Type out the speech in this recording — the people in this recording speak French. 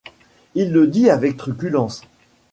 Il le dit avec truculence.